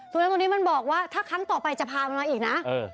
สุนัขตัวนี้มันบอกว่าถ้าครั้งต่อไปจะพามันมาอีกนะ